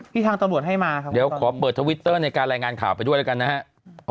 ทางตำรวจให้มาครับเดี๋ยวขอเปิดทวิตเตอร์ในการรายงานข่าวไปด้วยแล้วกันนะครับ